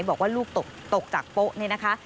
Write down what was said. บอกว่าลูกตกจากโป๊ะนี่นะคะ